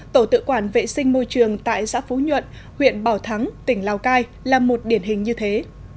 tổ tự quản vệ sinh môi trường tại xã phú nhuận huyện bảo thắng tỉnh lào cai là một điển hình như thế